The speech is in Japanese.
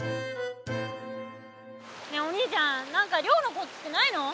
ねえお兄ちゃん何か漁のコツってないの？